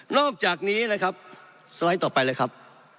อกจากนี้นะครับสไลด์ต่อไปเลยครับ